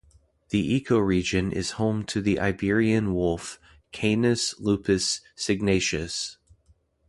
The ecoregion is home to the Iberian wolf ("Canis lupus signatus").